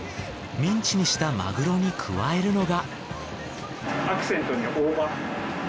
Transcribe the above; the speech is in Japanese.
ミンチにしたまぐろに加えるのが。